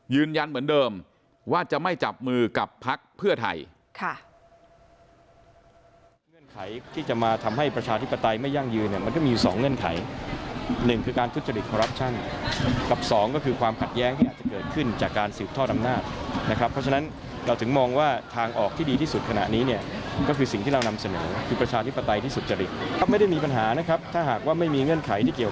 ยืนยันเหมือนเดิมว่าจะไม่จับมือกับพักเพื่อไทย